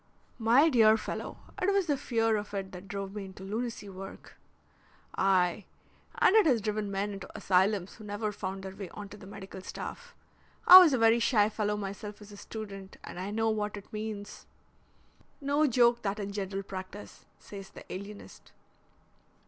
"My dear fellow, it was the fear of it that drove me into lunacy work." "Aye, and it has driven men into asylums who never found their way on to the medical staff. I was a very shy fellow myself as a student, and I know what it means." "No joke that in general practice," says the alienist.